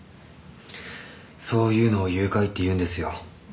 そういうのを誘拐っていうんですよ。